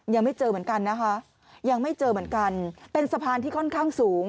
ยังไม่เจอเหมือนกันเป็นสะพานที่ค่อนข้างสูง